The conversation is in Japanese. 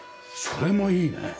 それもいいね。